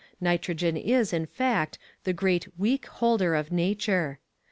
Nitrogen is, in fact, the great weak holder of nature.